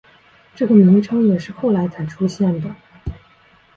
这个名称也是后来才出现的。